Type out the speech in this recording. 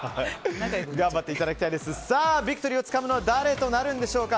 ビクトリーをつかむのは誰となるんでしょうか。